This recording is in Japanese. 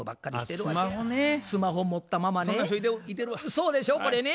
そうでしょこれね。